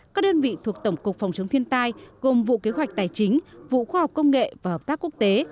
các đơn vị thuộc tổng cục phòng chống thiên tai gồm vụ kế hoạch tài chính vụ khoa học công nghệ và hợp tác quốc tế